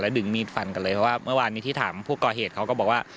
ดึงมีดฟันกันเลยเพราะว่าเมื่อวานนี้ที่ถามผู้ก่อเหตุเขาก็บอกว่า